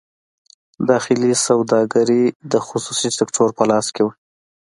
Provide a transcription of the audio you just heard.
داخلي سوداګري د خصوصي سکتور په لاس کې وه.